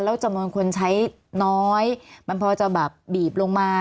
แล้วจำนวนคนใช้น้อยมันพอจะแบบบีบลงมา